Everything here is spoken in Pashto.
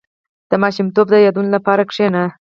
• د ماشومتوب د یادونو لپاره کښېنه.